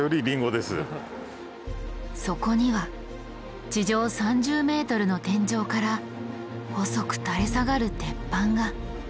そこには地上３０ｍの天井から細く垂れ下がる鉄板が。